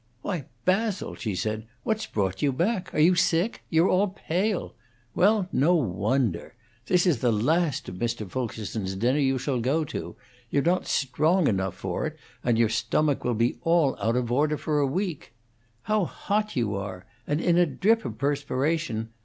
"Why, Basil," she said, "what's brought you back? Are you sick? You're all pale. Well, no wonder! This is the last of Mr. Fulkerson's dinners you shall go to. You're not strong enough for it, and your stomach will be all out of order for a week. How hot you are! and in a drip of perspiration!